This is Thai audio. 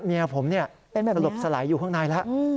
เมียผมสลบสลายอยู่ข้างในแล้ว